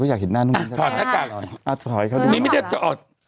ก็อยากเห็นหน้านกาเออถอดนะมันไม่ได้จะออก